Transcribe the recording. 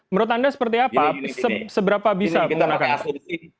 menurut anda seperti apa seberapa bisa menggunakan aset